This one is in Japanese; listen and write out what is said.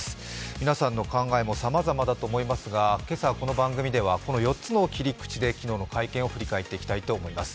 皆さんの考えもさまざまだと思いますが今朝はこの番組ではこの４つの切り口で、昨日の会見を振り返っていきたいと思います。